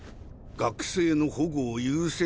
学生の保護を優先。